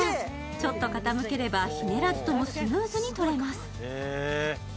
ちょっと傾ければひねらずともスムーズにとれます。